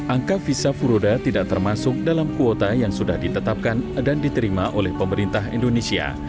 angka visa furoda tidak termasuk dalam kuota yang sudah ditetapkan dan diterima oleh pemerintah indonesia